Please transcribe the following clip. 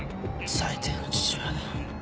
最低の父親だ。